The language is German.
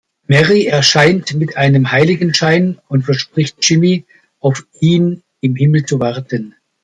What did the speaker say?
Mary erscheint mit einem Heiligenschein und verspricht Jimmy, auf ihn im Himmel zu warten.